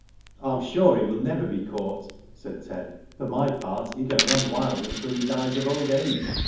*'I am sure he will never be caught," said Ted. "• For my part, he can run wild until he dies of old age.